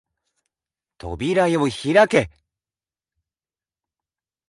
扉よ開け！